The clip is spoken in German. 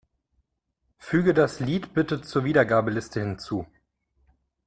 Füg das Lied bitte zur Wiedergabeliste hinzu.